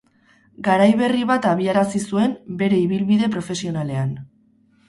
Garai berri bat abiarazi zuen bere ibilbide profesionalean.